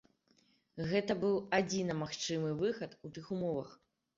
Гэта быў адзіна магчымы выхад у тых умовах.